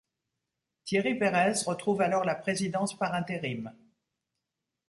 Thierry Pérez retrouve alors la présidence par intérim.